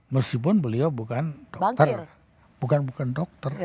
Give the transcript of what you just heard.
meskipun beliau bukan dokter